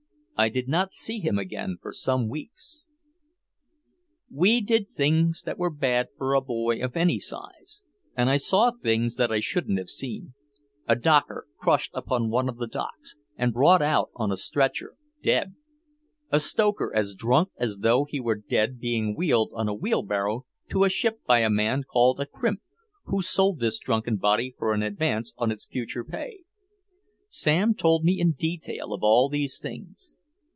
I did not see him again for some weeks. We did things that were bad for a boy of my size, and I saw things that I shouldn't have seen a docker crushed upon one of the docks and brought out on a stretcher dead, a stoker as drunk as though he were dead being wheeled on a wheelbarrow to a ship by the man called a "crimp," who sold this drunken body for an advance on its future pay. Sam told me in detail of these things.